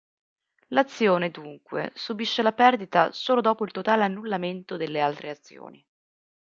L'azione dunque subisce la perdita solo dopo il totale annullamento delle altre azioni.